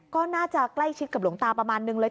ก็น่าจะใกล้ชิดกับหลวงตาประมาณนึงเลย